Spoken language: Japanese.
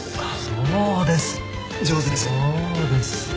そうです。